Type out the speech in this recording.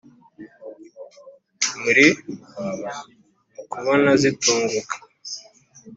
muri mu kubona zitunguka